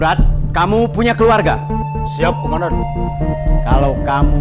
hal tersebut rules kalian khususawa ya dan belum hanya anti jska to changing